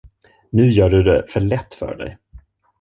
Nu gör du det för lätt för dig.